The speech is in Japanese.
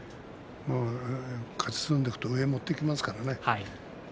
勝ち進んでいくと上へ持っていきますからね。